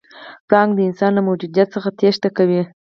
پړانګ د انسان له موجودیت څخه تېښته کوي.